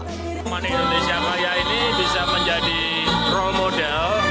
teman indonesia kaya ini bisa menjadi role model